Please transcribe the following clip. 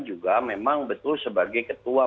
juga memang betul sebagai ketua